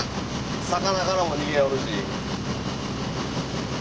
魚からも逃げよるし。